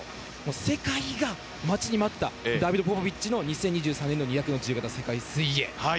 世界が待ちに待ったダビド・ポポビッチの２０２３年の２００の自由形、世界水泳。